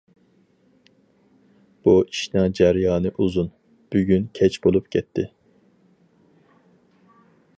بۇ ئىشنىڭ جەريانى ئۇزۇن، بۈگۈن كەچ بولۇپ كەتتى.